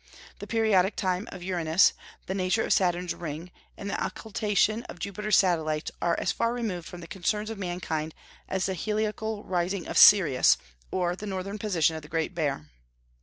The periodic time of Uranus, the nature of Saturn's ring, and the occultation of Jupiter's satellites are as far removed from the concerns of mankind as the heliacal rising of Sirius, or the northern position of the Great Bear."